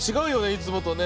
いつもとね。